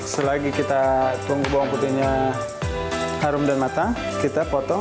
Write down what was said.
selagi kita tunggu bawang putihnya harum dan matang kita potong